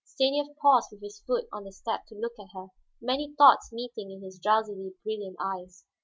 Stanief paused with his foot on the step to look at her, many thoughts meeting in his drowsily brilliant eyes.